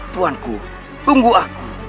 tuan ku tunggu aku